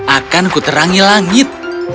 akanku terangi langit